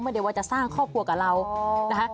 ไม่ได้ว่าจะสร้างครอบครัวกับเรานะคะ